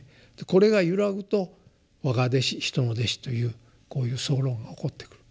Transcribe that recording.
これが揺らぐと「わが弟子人の弟子」というこういう争論が起こってくる。